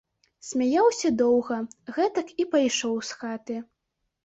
Смяяўся доўга, гэтак і пайшоў з хаты.